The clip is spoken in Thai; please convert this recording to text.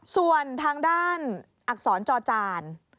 ส่วนทางด้านอักษรจอจาน